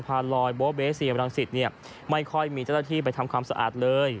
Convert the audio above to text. เพราะว่าเบสีเยียมรังสิตไม่คอยมีเจ้าที่ไปทำความสะอาดเลย